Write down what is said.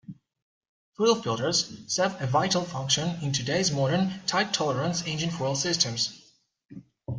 Fuel filters serve a vital function in today's modern, tight-tolerance engine fuel systems.